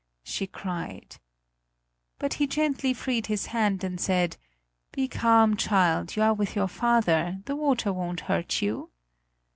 she cried. But he gently freed his hand and said: "Be calm, child; you are with your father; the water won't hurt you!"